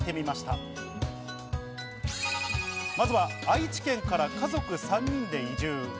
まずは愛知県から家族３人で移住。